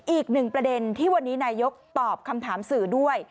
อีกหนึ่งประเด็นที่วันนี้นายกตอบคำถามสื่อด้วย